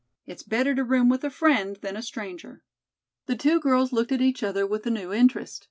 It's better to room with a friend than a stranger." The two girls looked at each other with a new interest.